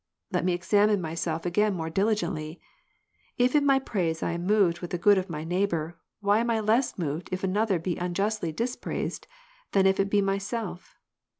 Let me examine myself again more diligently. If in my praise I am moved with the good of my neighbour, why am I less moved if another be unjustly dispraised than if it be myself?